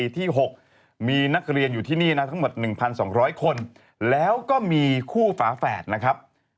ทั้งหมด๑๒๐๐คนแล้วก็มีคู่ฝาแฝดนะครับ